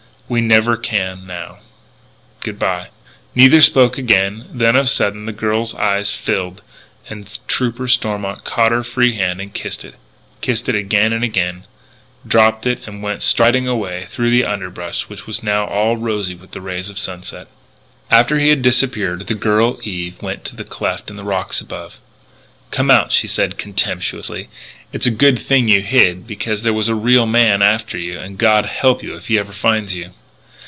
We never can, now.... Good bye." Neither spoke again. Then, of a sudden, the girl's eyes filled; and Trooper Stormont caught her free hand and kissed it; kissed it again and again, dropped it and went striding away through the underbrush which was now all rosy with the rays of sunset. After he had disappeared, the girl, Eve, went to the cleft in the rocks above. "Come out," she said contemptuously. "It's a good thing you hid, because there was a real man after you; and God help you if he ever finds you!"